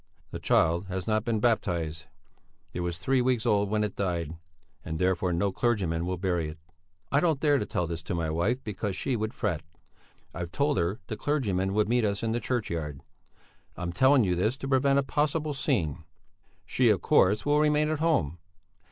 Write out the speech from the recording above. The child has not been baptized; it was three weeks old when it died, and therefore no clergyman will bury it. I don't dare to tell this to my wife, because she would fret. I've told her the clergyman would meet us in the churchyard; I'm telling you this to prevent a possible scene. She, of course, will remain at home.